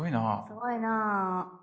すごいな。